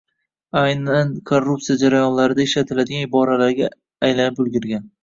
aynan korrupsiya jarayonlarida ishlatiladigan iboralarga aylanib ulgurgan.